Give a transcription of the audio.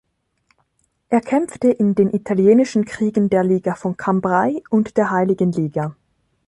Er kämpfte in den Italienischen Kriegen der Liga vom Cambrai und der Heiligen Liga.